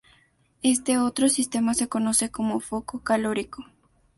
Este otro sistema se conoce como foco calórico.